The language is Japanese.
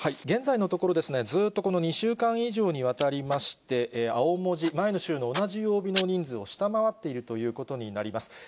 現在のところ、ずーっとこの２週間以上にわたりまして、青文字、前の週の同じ曜日の人数を下回っているということになります。